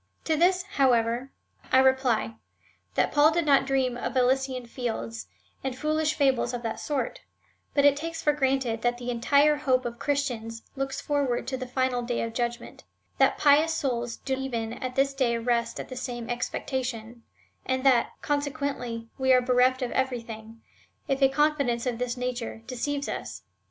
To this, however, I reply, that Paul did not dream of Elysian fields,^ and foolish fables of that sort, but takes it for granted, that the entire hope of Christians looks forward to the final day of judgment — that pious souls do even at this day rest in the same expectation, and that, consequently, ^YQ are bereft of everything, if a confidence of this nature deceives us.